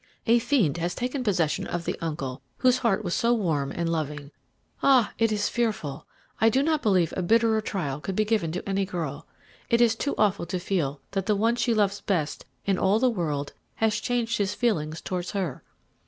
A fiend has taken possession of the uncle whose heart was so warm and loving. Ah, it is fearful! I do not believe a bitterer trial could be given to any girl it is too awful to feel that the one she loves best in all the world has changed in his feelings towards her.